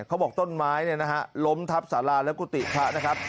เขาบอกต้นไม้เนี่ยนะฮะล้มทับสาราและกุฏิพระนะครับ